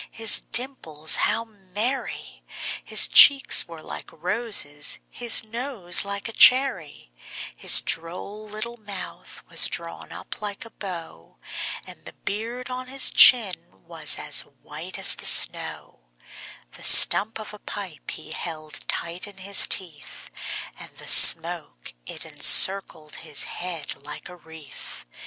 his dimples how merry! His cheeks were like roses, his nose like a cherry; His droll little mouth was drawn up like a bow, And the beard on his chin was as white as the snow; The stump of a pipe he held tight in his teeth, And the smoke, it encircled his head like a wreath.